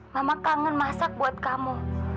mama kangen masak buat kamu